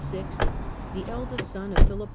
the eldest son of Philip I.